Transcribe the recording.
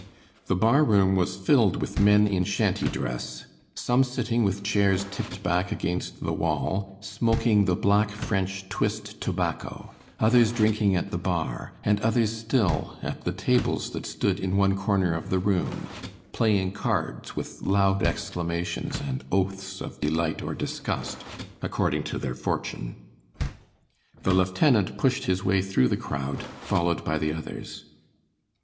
The bar room was filled with men in shanty dress, some sitting with chairs tipped back against the wall, smoking the black French "twist" tobacco; others drinking at the bar; and others still at the tables that stood in one corner of the room playing cards with loud exclamations and oaths of delight or disgust, according to their fortune. The lieutenant pushed his way through the crowd, followed by the others.